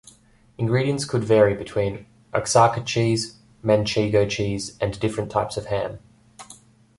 Ingredients could vary between Oaxaca cheese, Manchego cheese and different types of ham.